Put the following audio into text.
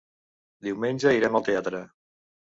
Diumenge irem al teatre.